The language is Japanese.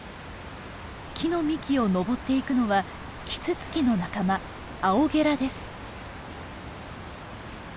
木の幹を登っていくのはキツツキの仲間アオゲラです。